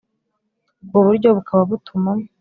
Ubwo buryo bukaba butuma